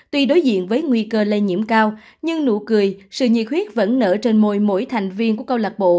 tuy đối diện với nguy cơ lây nhiễm cao nhưng nụ cười sự nhiệt huyết vẫn nở trên môi mỗi thành viên của câu lạc bộ